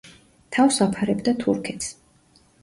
თავს აფარებდა თურქეთს.